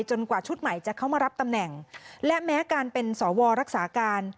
กว่าชุดใหม่จะเข้ามารับตำแหน่งและแม้การเป็นสวรักษาการ